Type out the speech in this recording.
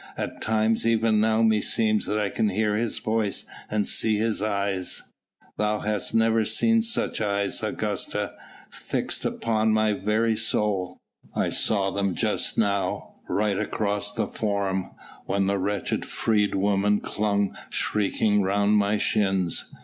At times even now meseems that I can hear His voice and see His eyes ... thou hast never seen such eyes, Augusta fixed upon my very soul. I saw them just now, right across the Forum, when the wretched freedwoman clung shrieking round my shins.